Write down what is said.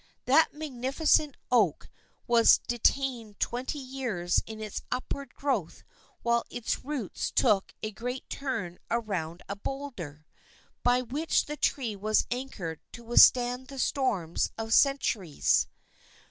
That magnificent oak was detained twenty years in its upward growth while its roots took a great turn around a bowlder, by which the tree was anchored to withstand the storms of centuries.